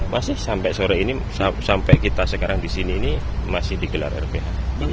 masih sampai sore ini sampai kita sekarang di sini ini masih digelar rph